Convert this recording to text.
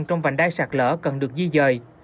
trong vành đai sạt lỡ cần được di dời